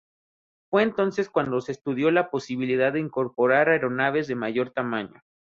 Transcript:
Fue entonces cuando se estudió la posibilidad de incorporar aeronaves de mayor tamaño.